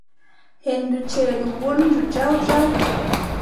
Henndu ceeɗu wulndu jaw jaw.